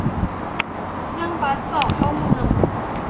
นั่งบัสต่อเข้าเมือง